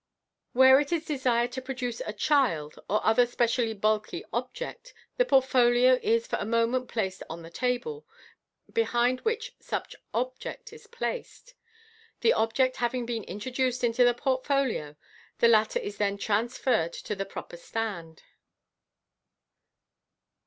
Where it is desired to produce a child, or other specially bulky object, the portfolio is for a moment placed on the table, behind MODERN MAGIC. 469 which such object is placed. The object having been introduced into the portfolio, the latter is then transferred to the proper stand.